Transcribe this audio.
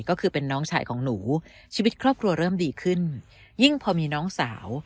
ก็คือเป็นน้องชายของหนูชีวิตครอบครัวเริ่มดีขึ้นยิ่งพอมีน้องสาว